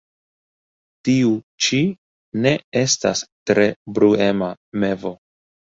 Tiu ĉi ne estas tre bruema mevo.